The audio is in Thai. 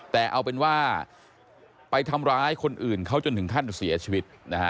แต่เอาเป็นว่าไปทำร้ายคนอื่นเขาจนถึงขั้นเสียชีวิตนะฮะ